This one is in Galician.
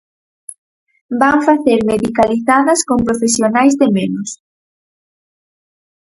Van facer medicalizadas con profesionais de menos.